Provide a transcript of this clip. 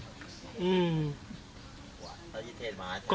ก็นานีแล้วคุณบทสมประกอบค่ะคุณบทสมประกอบค่ะคุณบทสมประกอบค่ะคุณบทสมประกอบค่ะ